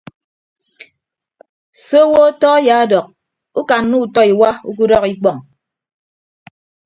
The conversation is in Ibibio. Se owo ọtọ ayaadọk ukanna utọ iwa ukudọk ikpọñ.